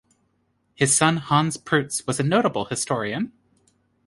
His son Hans Prutz was a notable historian.